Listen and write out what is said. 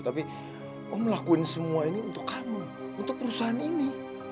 tapi om lakuin semua ini untuk kamu untuk perusahaan ini